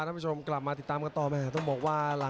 อัลลินจ์